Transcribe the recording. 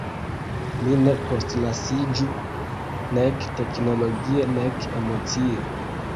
Ni ne postlasiĝu, nek teknologie nek emocie.